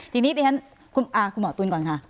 ทีนี้ที่ฉะนั้นคุณหมอตูนก่อนค่ะ